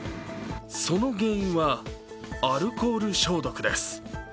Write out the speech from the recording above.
その原因はアルコール消毒です。